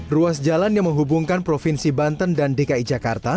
ruas jalan yang menghubungkan provinsi banten dan dki jakarta